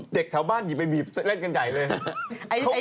เด็กแถวบ้านหยิบไปบีบเล่นกันใหญ่เลย